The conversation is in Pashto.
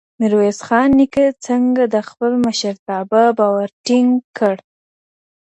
ميرويس خان نيکه څنګه د خپل مشرتابه باور ټينګ کړ؟